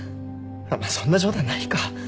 そんな冗談ないか。